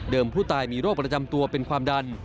ผู้ตายมีโรคประจำตัวเป็นความดัน